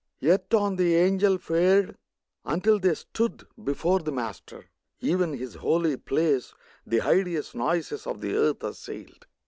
Yet on the Angel fared, until they stood Before the Master. (Even His holy place The hideous noises of the earth assailed.)